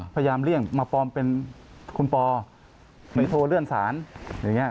พยายามเลี่ยงมาปลอมเพราะคุณปอหรือโทรเลื่อนสารเงี้ย